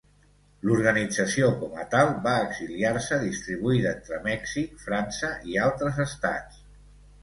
L'organització com a tal va exiliar-se, distribuïda entre Mèxic, França i altres estats.